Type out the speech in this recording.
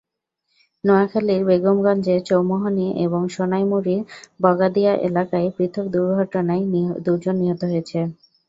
নোয়াখালীর বেগমগঞ্জের চৌমুহনী এবং সোনাইমুড়ীর বগাদিয়া এলাকায় পৃথক দুর্ঘটনায় দুজন নিহত হয়েছে।